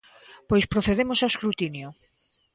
Pois procedemos ao escrutinio.